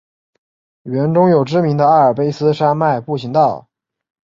园中有知名的阿尔卑斯山脉步行道。